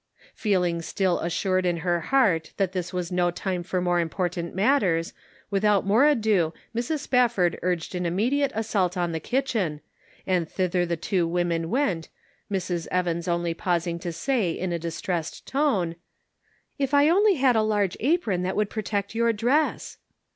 Feeling still assured in her heart that this was no time for more important matters, with out more ado Mrs. Spafford urged an immediate 312 The Pocket Measure. assault on the kitchen, and thither the two women went, Mrs. Evans only pausing to say in a distressed tone: " If I only had a large apron that would pro tect your dress